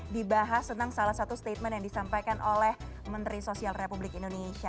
dibahas tentang salah satu statement yang disampaikan oleh menteri sosial republik indonesia